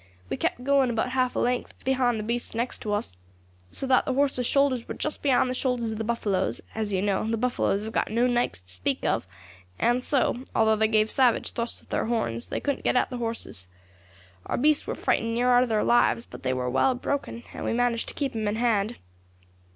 We kept going about half a length behind the beasts next to us, so that the horses' shoulders war just behind the shoulders of the buffaloes; as you know, the buffaloes have got no necks to speak of, and so, although they gave savage thrusts with their horns, they couldn't get at the horses. Our beasts were frightened near out of their lives, but they war well broken, and we managed to keep 'em in hand.